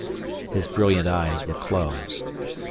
His brilliant eyes were closed.